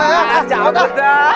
ya cabut lah